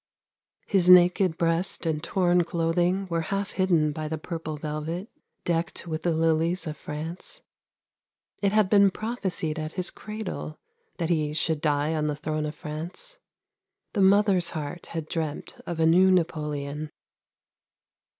His naked breast and torn clothing were half hidden by the purple velvet decked with the lilies of France. It had been prophesied at his cradle that ' he should die on the throne of France.' The mother's heart had dreamt of a new Napoleon.